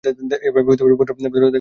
এভাবে ভদ্রতা দেখালে কেমন হয়?